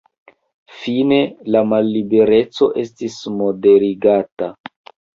Fine la mallibereco estis moderigata.